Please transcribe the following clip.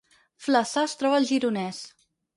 Flaçà es troba al Gironès